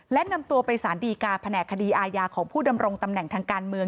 และนำตัวไปสารดีการแผนกคดีอาญาของผู้ดำรงตำแหน่งทางการเมือง